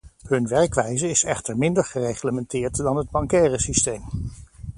Hun werkwijze is echter minder gereglementeerd dan het bancaire systeem.